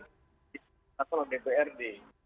nah kalau di prd